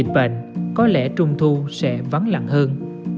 nhưng năm nay vì dịch bệnh có lẽ trung thu sẽ vắng lặng hơn